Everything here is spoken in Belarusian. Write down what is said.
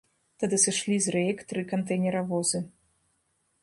Тады сышлі з рэек тры кантэйнеравозы.